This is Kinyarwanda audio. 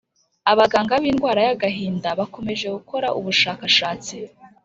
abaganga b’indwara y’agahinda, bakomeje gukora ubushakashatsi